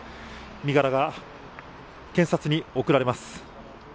身柄が検察に送られます。